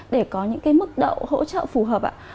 để có những mức độ hỗ trợ phù hợp